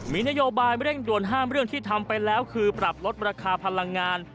มีนโยบายเร่งด่วนห้ามเรื่องที่ทำไปแล้วคือปรับลดราคาพลังงาน